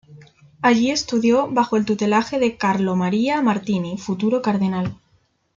Allí estudió bajo el tutelaje de Carlo María Martini, futuro cardenal.